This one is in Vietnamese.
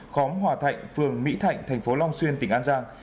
khóm hòa thạnh phường mỹ thạnh thành phố long xuyên tỉnh an giang